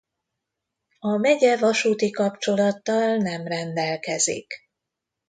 A megye vasúti kapcsolattal nem rendelkezik.